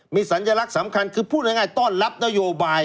มีสัญลักษณ์สำคัญคือพูดง่ายต้อนรับนโยบาย